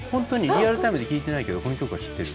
リアルタイムで聴いてないけどこの曲は知ってる？